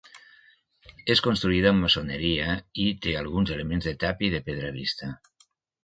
És construïda amb maçoneria i té alguns elements de tàpia i de pedra vista.